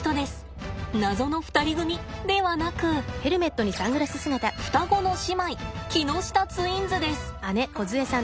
謎の２人組ではなく双子の姉妹木下ツインズです。